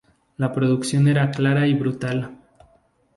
La producción era clara y brutal.